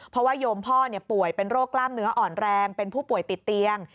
เพราะว่าโยมพ่อป่วยเป็นโรคกล้ามเนื้ออ่อนแรงเป็นผู้ป่วยติดเตียง